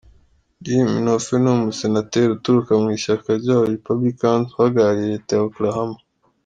Jim Inhofe ni Umusenateri uturuka mu ishyaka rya ba “Republicans” uhagarariye leta ya Oklahoma.